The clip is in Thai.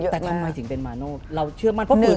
เพราะว่าจริงมันก็มี